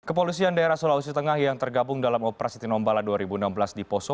kepolisian daerah sulawesi tengah yang tergabung dalam operasi tinombala dua ribu enam belas di poso